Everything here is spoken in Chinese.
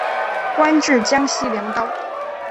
官至江西粮道。